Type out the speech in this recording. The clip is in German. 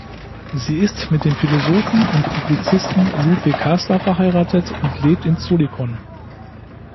Sie ist mit dem Philosophen und Publizisten Ludwig Hasler verheiratet und lebt in Zollikon.